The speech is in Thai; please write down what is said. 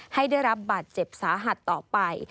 ให้ได้รับบาดเจ็บสาหัสต่อไป